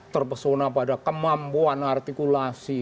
terpesona pada kemampuan artikulasi